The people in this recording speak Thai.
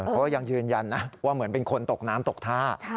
เขายังยืนยันนะว่าเหมือนเป็นคนตกน้ำตกท่า